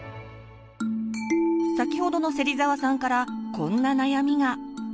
先ほどの芹澤さんからこんな悩みが。